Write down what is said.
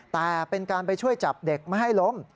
แต่เป็นการไปช่วยจับเด็กไม่ให้ล้ม